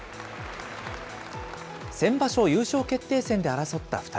先場所、優勝決定戦で争った２人。